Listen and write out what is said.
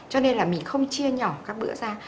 cho nên là mình không chia nhỏ các bữa ra